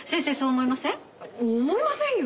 思いませんよ！